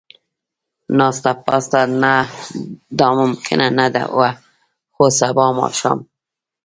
ناسته پاسته، نه دا ممکنه نه وه، خو سبا ماښام.